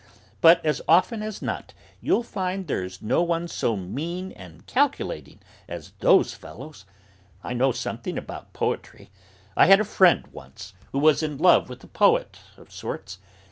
But as often as not you'll find there's no one so mean and calculating as those fellows. I know something about poetry. I had a friend, once, who was in love with a poet of sorts.